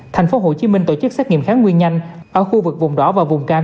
thành phố hồ chí minh tổ chức xét nghiệm kháng nguyên nhanh ở khu vực vùng đỏ và vùng cam